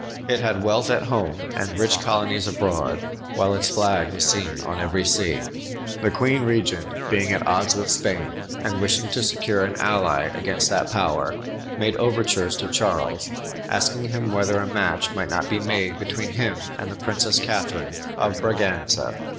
It had wealth at home and rich colonies abroad, while its flag was seen on every sea. The queen regent, being at odds with Spain, and wishing to secure an ally against that power, made overtures to Charles, asking him whether a match might not be made between him and the Princess Catharine of Braganza.